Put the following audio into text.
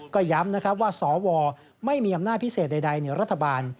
ก็ย้ำนะครับว่าสวไม่มีอำนาจพิเศษใดในรัฐบาล